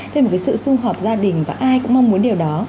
thêm một cái sự xung họp gia đình và ai cũng mong muốn điều đó